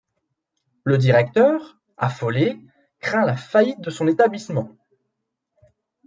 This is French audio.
Le directeur, affolé, craint la faillite de son établissement.